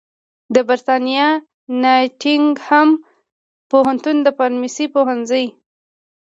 د برېتانیا ناټینګهم پوهنتون د فارمیسي پوهنځي